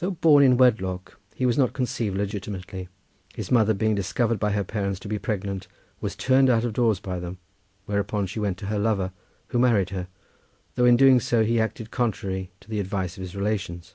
Though born in wedlock he was not conceived legitimately. His mother being discovered by her parents to be pregnant was turned out of doors by them, whereupon she went to her lover, who married her, though in so doing he acted contrary to the advice of his relations.